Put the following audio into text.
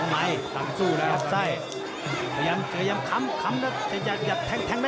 มันมาใหม่สั่งสู้แล้วครับ